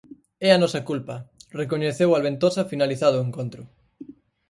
"É a nosa culpa" recoñeceu Albentosa finalizado o encontro.